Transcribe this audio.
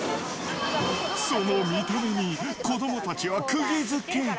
その見た目に子どもたちはくぎづけ。